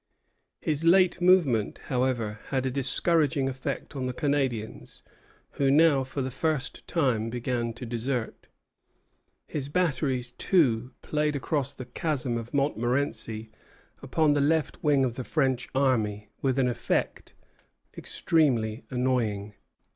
His late movement, however, had a discouraging effect on the Canadians, who now for the first time began to desert. His batteries, too, played across the chasm of Montmorenci upon the left wing of the French army with an effect extremely annoying.